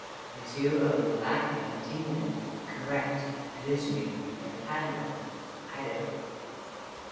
The two overlap and continue in the "correct" positioning near Caldwell, Idaho.